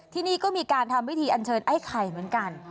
ที่นี่ก็มีการทำพิธีอันเชิญไอ้ไข่เหมือนกัน